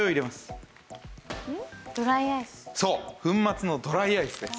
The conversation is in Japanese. そう粉末のドライアイスです。